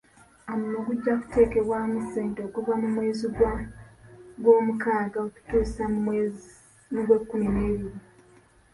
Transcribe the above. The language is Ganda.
Omulimu gujja kuteekebwamu ssente okuva mu mwezi gwa gwomukaaga okutuusa mu gwekkumi n'ebiri.